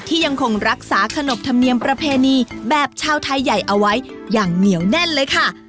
ยังคงรักษาขนบธรรมเนียมประเพณีแบบชาวไทยใหญ่เอาไว้อย่างเหนียวแน่นเลยค่ะ